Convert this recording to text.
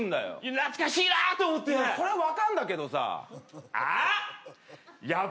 懐かしいなと思ってそれは分かんだけどさあっ